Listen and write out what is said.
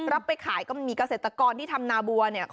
รับไปขายก็มีเกษตรกรที่ทำนาบัว